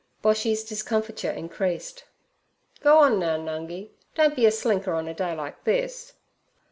Boshy's discomfiture increased. 'Go on now, Nungi; don't be a slinker on a day like this.'